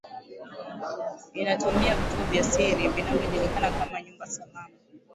inatumia vituo vya siri vinavyojulikana kama nyumba salama